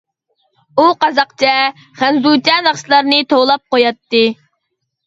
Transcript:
ئۇ قازاقچە، خەنزۇچە ناخشىلارنى توۋلاپ قوياتتى.